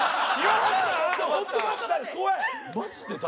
マジで誰？